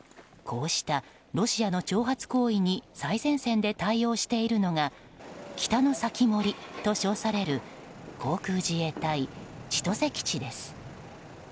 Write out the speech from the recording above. こうしたロシアの挑発行為に最前線で対応しているのが北の防人と称される航空自衛隊千歳基地です。